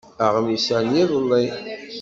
Aɣmis-a n yiḍelli.